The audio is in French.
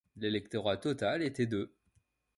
L'électorat total était de.